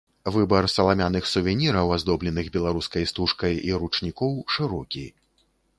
Выбар саламяных сувеніраў, аздобленых беларускай стужкай, і ручнікоў шырокі.